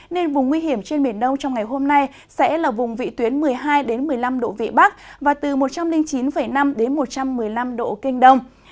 nên vùng nguy hiểm trên biển đông trong ngày hôm nay sẽ là vùng vị tuyến một mươi hai một mươi năm độ vị bắc và từ một trăm linh chín năm một trăm một mươi năm độ kinh đông